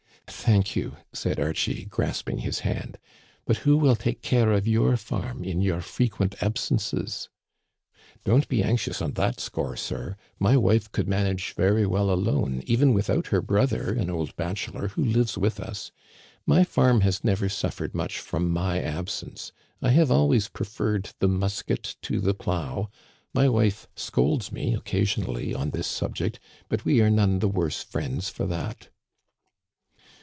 " Thank you," said Archie, grasping his hand ;" but who will take care of your farm in your frequent absences ?" "Don't be anxious on that score, sir. My wife could manage very well alone, even without her brother, an old bachelor, who lives with us. My farm has never suffered much from my absence. I have always pre ferred the musket to the plow. My wife scolds me occasionally on this subject ; but we are none the worse friends for that."